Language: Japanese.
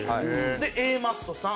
でＡマッソさん。